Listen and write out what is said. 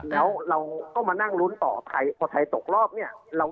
แล้วเราก็มานั่งลุ้นต่อไทยพอไทยตกรอบเนี่ย